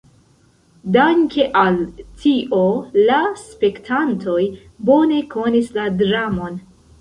Danke al tio la spektantoj bone konis la dramon.